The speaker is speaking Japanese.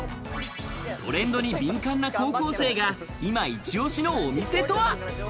トレンドに敏感な高校生が今イチオシのお店とは？